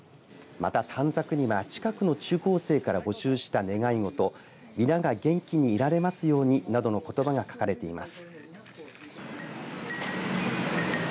また、短冊には近くの中高生から募集した願い事皆が元気にいられますようになどのことばが書かれています。